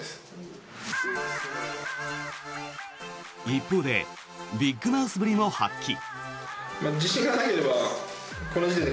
一方でビッグマウスぶりも発揮。